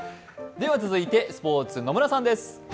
続いてスポーツ、野村さんです。